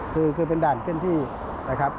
คือเป็นด่านเคลื่อนที่นะครับ